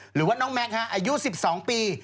หรือว่าน้องแม็กซ์อายุ๑๒ปี